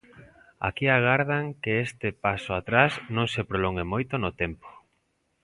Aquí agardan que este paso atrás non se prolongue moito no tempo.